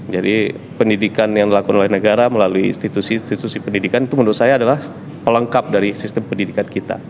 jadi pendidikan yang dilakukan oleh negara melalui institusi institusi pendidikan itu menurut saya adalah pelengkap dari sistem pendidikan kita